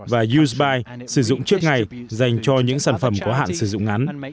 và used by sử dụng trước ngày dành cho những sản phẩm có hạn dùng dài